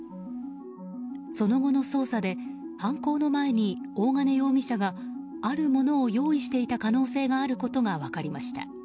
その後の捜査で犯行の前に大金容疑者があるものを用意していた可能性があることが分かりました。